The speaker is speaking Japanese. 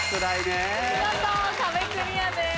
見事壁クリアです。